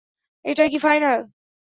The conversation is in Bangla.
এটাই কি ফাইনাল?